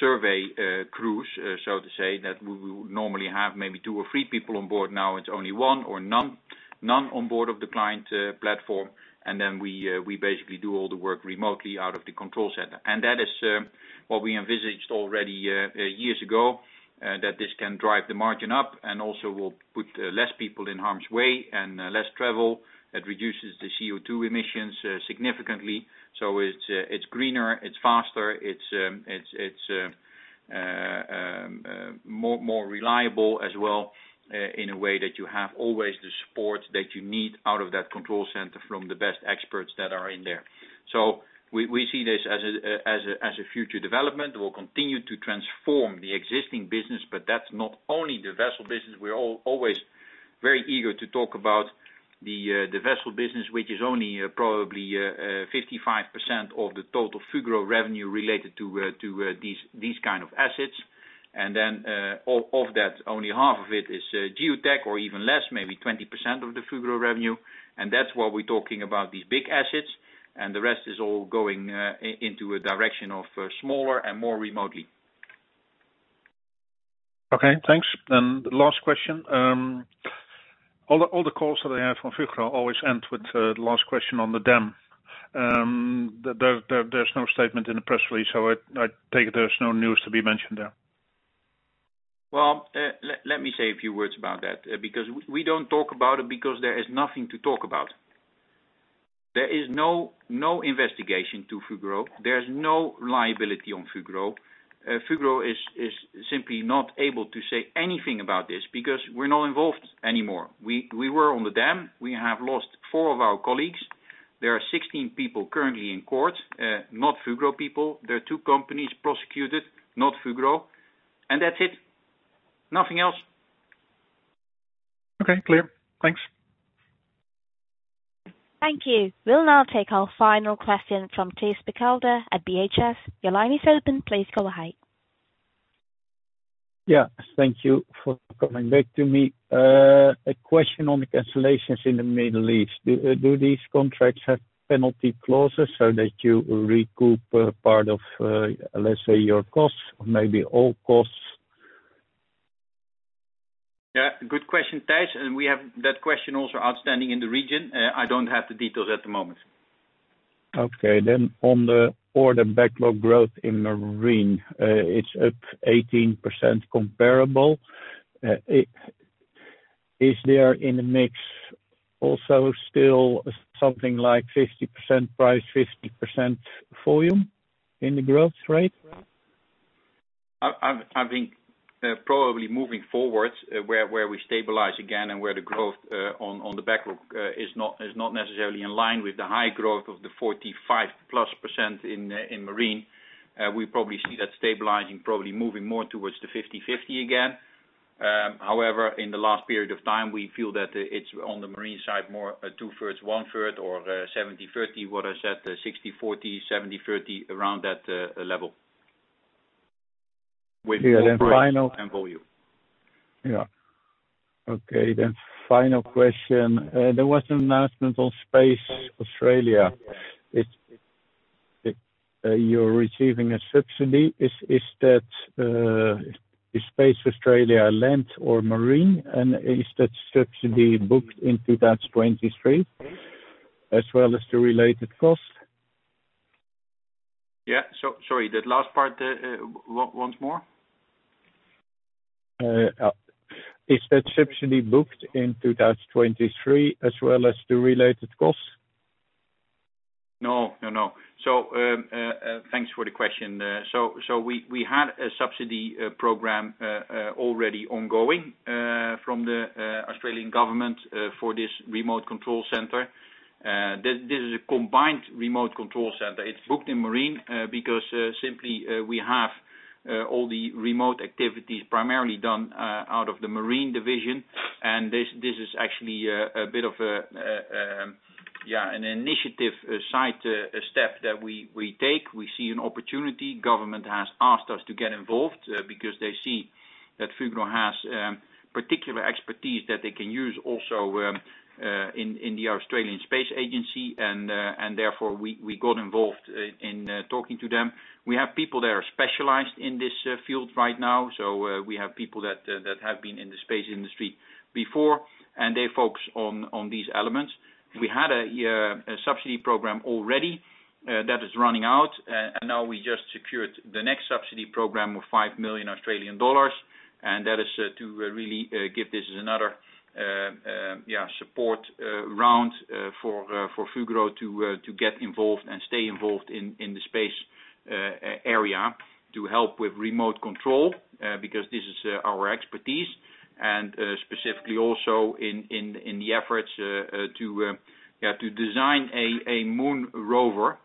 survey crews, so to say, that we would normally have maybe two or three people on board. Now, it's only one or none, none on board of the client platform, and then we basically do all the work remotely out of the control center. And that is what we envisaged already years ago, that this can drive the margin up and also will put less people in harm's way and less travel. It reduces the CO2 emissions significantly, so it's greener, it's faster, it's more reliable as well, in a way that you have always the support that you need out of that control center from the best experts that are in there. So we see this as a future development. We'll continue to transform the existing business, but that's not only the vessel business. We're always very eager to talk about the vessel business, which is only probably 55% of the total Fugro revenue related to these kind of assets. And then, of that, only half of it is Geotech or even less, maybe 20% of the Fugro revenue, and that's why we're talking about these big assets, and the rest is all going into a direction of smaller and more remotely. Okay, thanks. And the last question, all the calls that I have from Fugro always end with the last question on the dam. There's no statement in the press release, so I take it there's no news to be mentioned there. Well, let me say a few words about that. Because we don't talk about it because there is nothing to talk about. There is no investigation to Fugro. There's no liability on Fugro. Fugro is simply not able to say anything about this, because we're not involved anymore. We were on the dam. We have lost four of our colleagues. There are 16 people currently in court, not Fugro people. There are two companies prosecuted, not Fugro, and that's it. Nothing else. Okay, clear. Thanks. Thank you. We'll now take our final question from Thijs Berkelder at ODDO BHF. Your line is open. Please go ahead. Yeah, thank you for coming back to me. A question on the cancellations in the Middle East. Do, do these contracts have penalty clauses so that you recoup, part of, let's say, your costs, or maybe all costs? Yeah, good question, Thijs, and we have that question also outstanding in the region. I don't have the details at the moment. Okay, then on the order backlog growth in Marine, it's up 18% comparable. Is there in the mix also still something like 50% price, 50% volume in the growth rate? I think probably moving forward, where we stabilize again, and where the growth on the backlog is not necessarily in line with the high growth of the 45%+ in Marine. We probably see that stabilizing, probably moving more towards the 50/50 again. However, in the last period of time, we feel that it's on the Marine side, more two-thirds, one-third, or 20/30, what I said, 60/40, 70/30, around that level. With more price- And volume. -and volume. Yeah. Okay, then final question. There was an announcement on Australian Space Agency. You're receiving a subsidy. Is Australian Space Agency Land or Marine? And is that subsidy booked in 2023, as well as the related costs? Yeah. So sorry, that last part, once more? Is the subsidy booked in 2023, as well as the related costs? No, no, no. So, thanks for the question. So, so we, we had a subsidy program, already ongoing, from the Australian government, for this remote control center. This, this is a combined remote control center. It's booked in Marine, because, simply, we have all the remote activities primarily done out of the Marine division, and this, this is actually, a bit of a, yeah, an initiative, side step that we, we take. We see an opportunity. Government has asked us to get involved, because they see that Fugro has particular expertise that they can use also, in, in the Australian Space Agency, and, and therefore, we got involved in talking to them. We have people that are specialized in this field right now, so we have people that have been in the space industry before, and they focus on these elements. We had a subsidy program already that is running out, and now we just secured the next subsidy program of 5 million Australian dollars, and that is to really support round for Fugro to get involved and stay involved in the space area. To help with remote control because this is our expertise, and specifically also in the efforts to design a moon rover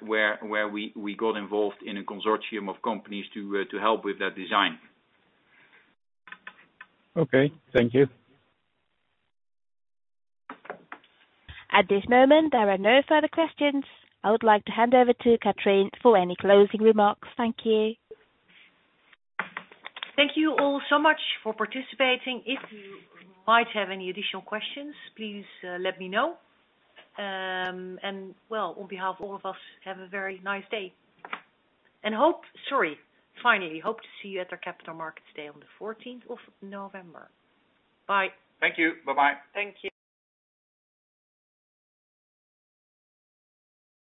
where we got involved in a consortium of companies to help with that design. Okay, thank you. At this moment, there are no further questions. I would like to hand over to Catrien for any closing remarks. Thank you. Thank you all so much for participating. If you might have any additional questions, please, let me know. And well, on behalf of all of us, have a very nice day, and hope... Sorry. Finally, hope to see you at our Capital Markets Day on the fourteenth of November. Bye. Thank you. Bye-bye. Thank you.